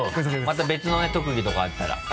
また別のね特技とかあったら。